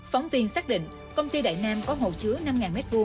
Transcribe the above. phóng viên xác định công ty đại nam có hồ chứa năm m hai